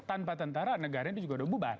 tanpa tentara negara ini juga udah bubar